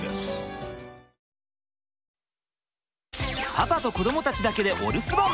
パパと子どもたちだけでお留守番！